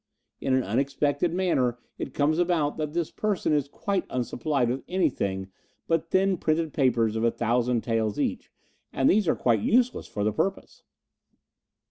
In an unexpected manner it comes about that this person is quite unsupplied with anything but thin printed papers of a thousand taels each, and these are quite useless for the purpose."